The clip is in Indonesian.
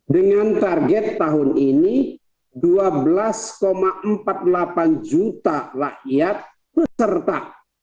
dengan target tahun ini dua belas empat puluh delapan juta rakyat peserta